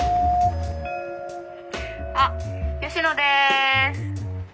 あっ吉野です。